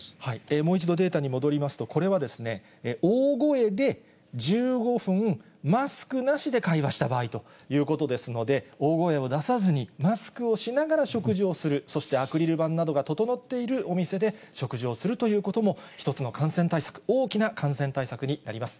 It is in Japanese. もう一度データに戻りますと、これは大声で１５分、マスクなしで会話した場合ということですので、大声を出さずに、マスクをしながら食事をする、そしてアクリル板などが整っているお店で食事をするということも、一つの感染対策、大きな感染対策になります。